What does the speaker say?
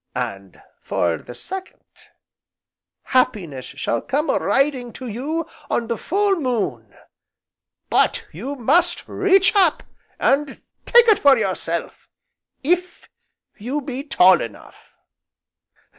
And, for the second, Happiness shall come a riding to you on the full moon, but you must reach up and take it for yourself, if you be tall enough."